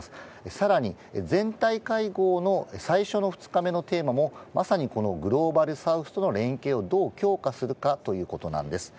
さらに、全体会合の最初の２日目のテーマも、まさにこのグローバルサウスとの連携をどう強化するかということなんです。